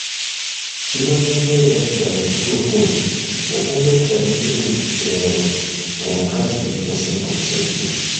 Kimanyiddwa era ddala kituufu nti okuva edda ne gyebuli eno omukazi tasinga musajja.